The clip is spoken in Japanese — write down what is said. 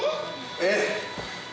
◆ええ！